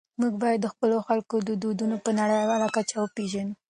موږ باید د خپلو خلکو دودونه په نړيواله کچه وپېژنو.